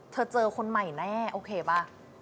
เจอคนใหม่แน่โอเคป่ะ